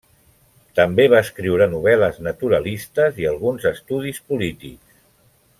També va escriure novel·les naturalistes i alguns estudis polítics.